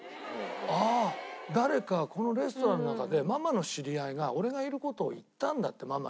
「ああ誰かこのレストランの中でママの知り合いが俺がいる事を言ったんだ」ってママにＬＩＮＥで。